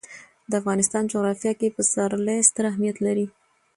د افغانستان جغرافیه کې پسرلی ستر اهمیت لري.